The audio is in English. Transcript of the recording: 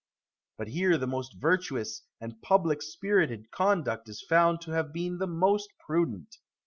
But here the most virtuous and public spirited conduct is found to have been the most prudent.